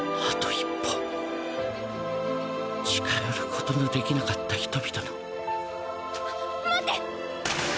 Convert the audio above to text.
一歩近寄ることのできなかった人々のあっ待って。